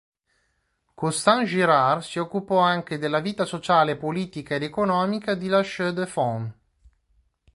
Constant Girard si occupò anche della vita sociale politica ed economica di La Chaux-de-Fonds.